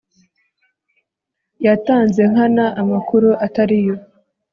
yatanze nkana amakuru atari yo